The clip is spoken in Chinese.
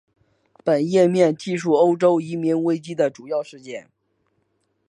本页面记叙欧洲移民危机的主要事件。